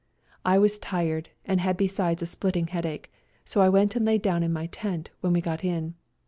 I was tired, and had besides a splitting head ache ; so I went and lay down in my tent when we got in.